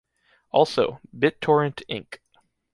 Also, BitTorrent Inc.